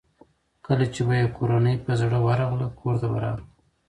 کله چې به یې کورنۍ په زړه ورغله کورته به راغی.